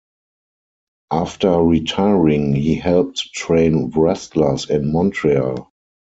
After retiring, he helped train wrestlers in Montreal.